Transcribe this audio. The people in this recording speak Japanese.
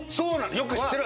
よく知ってるわね。